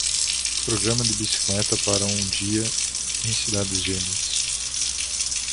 Programa de bicicleta para um dia em cidades gêmeas